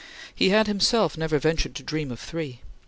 He had himself never ventured to dream of three.